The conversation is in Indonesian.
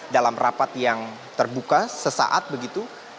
dalam rapat yang terbuka sesaat begitu